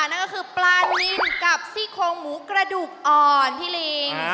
นั่นก็คือปลานินกับซี่โครงหมูกระดูกอ่อนพี่ลิง